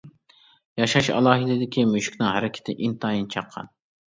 ياشاش ئالاھىدىلىكى مۈشۈكنىڭ ھەرىكىتى ئىنتايىن چاققان.